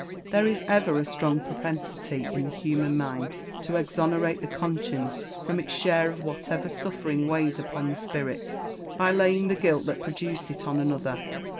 There is ever a strong propensity in the human mind to exonerate the conscience from its share of whatever suffering weighs upon the spirits, by laying the guilt that produced it on another.